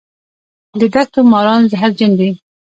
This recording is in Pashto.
د دښتو ماران زهرجن دي